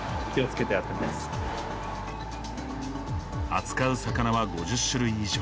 扱う魚は５０種類以上。